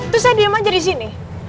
terus saya diam aja di sini